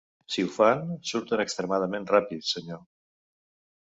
Si ho fan, surten extremadament ràpid, senyor.